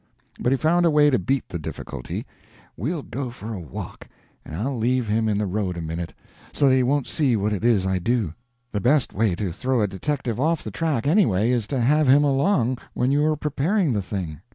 But he found a way to beat the difficulty. "We'll go for a walk, and I'll leave him in the road a minute, so that he won't see what it is I do: the best way to throw a detective off the track, anyway, is to have him along when you are preparing the thing.